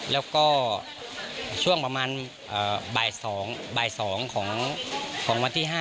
แล้วก็ช่วงประมาณบาด๒ของวันที่๕